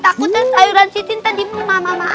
takutnya sayuran siti ntar di muntahin aja ya pak rt